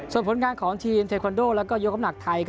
ส่วนผลงานของทีมเทคอนโดและยกน้ำหนักไทย